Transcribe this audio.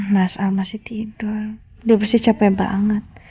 mas al masih tidur dia pasti capek banget